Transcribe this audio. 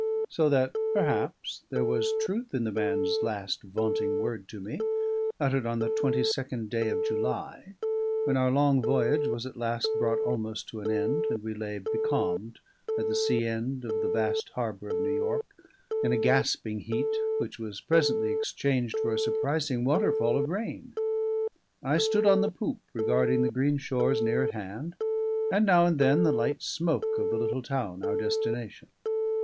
So that, perhaps, there was truth in the man's last vaunting word to me, uttered on the twenty second day of July, when our long voyage was at last brought almost to an end, and we lay becalmed at the sea end of the vast harbour of New York, in a gasping heat, which was presently exchanged for a surprising waterfall of rain. I stood on the poop, regarding the green shores near at hand, and now and then the light smoke of the little town, our destination.